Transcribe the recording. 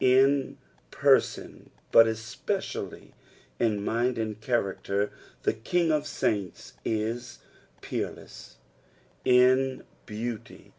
In Eerson, but especially in mind and character, the King of saints is peerless in eauty.